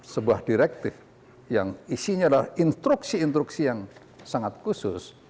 sebuah direktif yang isinya adalah instruksi instruksi yang sangat khusus